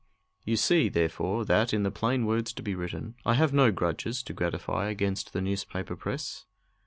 You see, therefore, that, in the plain words to be written, I have no grudges to gratify against the newspaper press.